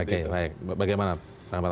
oke baik bagaimana pak amin